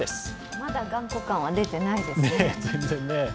まだ頑固感は出てないですね。